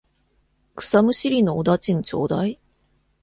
草むしりのお駄賃ちょうだい。